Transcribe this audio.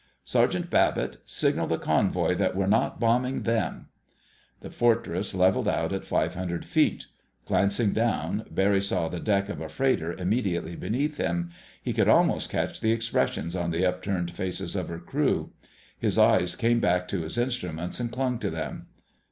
Sergeant Babbitt, signal the convoy that we're not bombing them!" The Fortress leveled out at 500 feet. Glancing down, Barry saw the deck of a freighter immediately beneath him. He could almost catch the expressions on the upturned faces of her crew. His eyes came back to his instruments and clung to them.